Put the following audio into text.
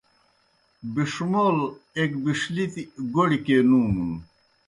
بِݜمَول ایْک بِݜلِتیْ گوڑیْ کے نُومُن۔